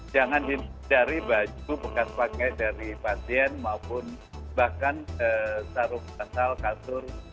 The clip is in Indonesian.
jangan dari baju bekas pake dari pasien maupun bahkan saruk kasal kasur